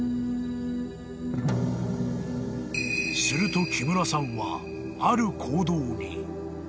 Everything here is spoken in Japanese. ［すると木村さんはある行動に］